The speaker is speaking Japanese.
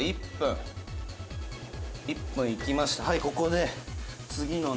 「１分いきました」